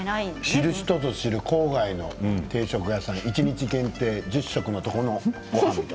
知る人ぞ知る郊外の定食屋さん一日限定１０食のもの。